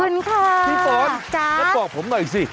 พี่ฟอนงั้นบอกผมหน่อยสิ